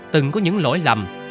từng có những lỗi lầm